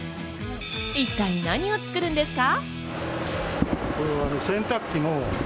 一体、何を作るんですか？